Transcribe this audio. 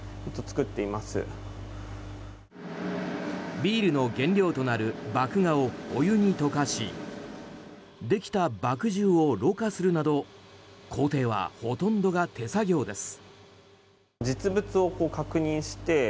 ビールの原料となる麦芽をお湯に溶かしできた麦汁をろ過するなど工程はほとんどが手作業です。